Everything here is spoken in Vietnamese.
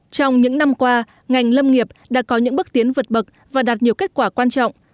trong những năm qua ngành lâm nghiệp đã có những bước tiến vượt bậc và đạt nhiều kết quả quan trọng